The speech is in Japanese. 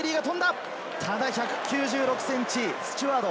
ただ１９６センチのスチュワード。